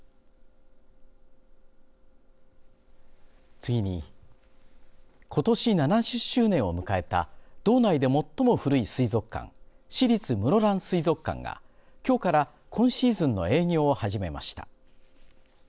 次に、ことし７０周年を迎えた道内で最も古い水族館市立室蘭水族館がきょうから今シーズンの営業を始めました。